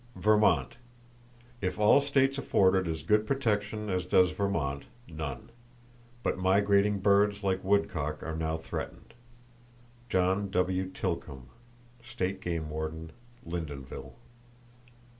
Vermont: If all states afforded as good protection as does Vermont, none; but migrating birds like woodcock are now threatened.—(John W. Tilcomb, State Game Warden, Lyndonville.)